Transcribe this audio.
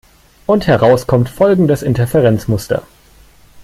Und heraus kommt folgendes Interferenzmuster.